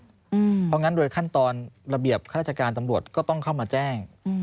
เพราะงั้นโดยขั้นตอนระเบียบข้าราชการตำรวจก็ต้องเข้ามาแจ้ง